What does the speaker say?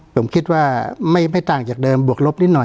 ผมคิดว่าไม่ต่างจากเดิมบวกลบนิดหน่อย